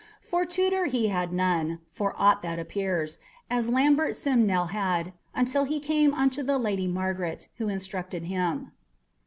For tutor he had none (for aught that appears), as Lambert Simnel had, until he came unto the Lady Margaret, who instructed him."